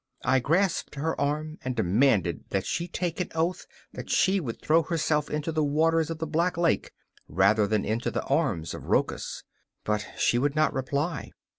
I grasped her arm and demanded that she take an oath that she would throw herself into the waters of the Black Lake rather than into the arms of Rochus. But she would not reply.